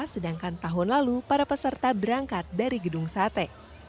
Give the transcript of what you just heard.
sedangkan tahun lalu para peserta berangkat dari gedung sate